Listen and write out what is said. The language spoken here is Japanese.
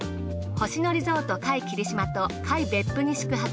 星野リゾート界霧島と界別府に宿泊。